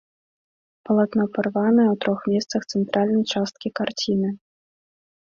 Палатно парванае ў трох месцах цэнтральнай часткі карціны.